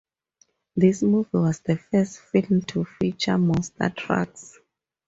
This movie was the first film to feature monster trucks.